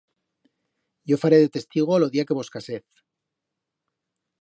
Yo faré de testigo lo día que vos casez.